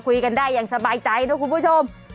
คุยกันได้อย่างสบายใจนะคุณผู้ชม